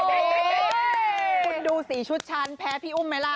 คุณดูสิชุดชั้นแพ้พี่อุ้มไหมล่ะ